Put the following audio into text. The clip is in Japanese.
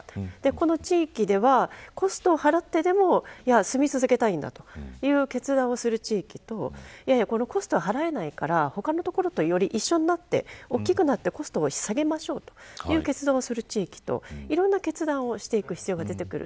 この地域ではコストを払ってでも生み続けたいんだという決断をする地域とこのコストは払えないから他のところとより一緒になって大きくなってコストを下げましょうという決断をする地域といろんな決断をしていく必要が出てくる。